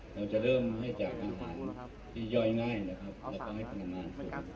เราจะเริ่มให้จากอาหารสี่ยอยง่ายนะครับและก็ให้คนงาน